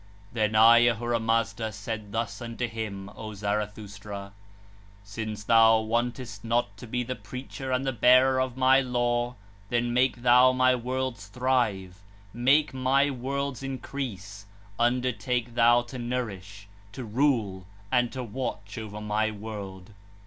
4 (11). Then I, Ahura Mazda, said thus unto him, O Zarathustra: 'Since thou wantest not to be the preacher and the bearer of my law, then make thou my worlds thrive, make my worlds increase: undertake thou to nourish, to rule, and to watch over my world.'